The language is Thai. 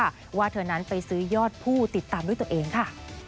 เพราะว่าเธอนั้นไปซื้อยอดผู้ติดตามด้วยตัวเองค่ะ